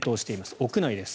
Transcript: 屋内です。